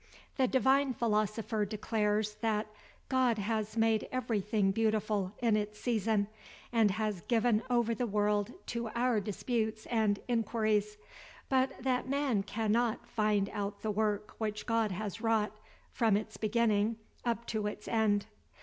The divine philosopher declares, that "God has made every thing beautiful in its season; and has given over the world to our disputes and inquiries; but that man cannot find out the work which God has wrought, from its beginning up to its end."